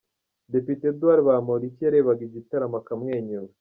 Depite Edouard Bamporiki yarebaga igitaramo akamwenyura.